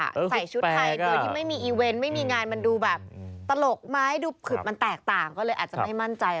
ใส่ชุดไทยโดยที่ไม่มีอีเว้นท์ไม่มีงานมันดูแบบตลกมายอาจจะไม่มั่นใจ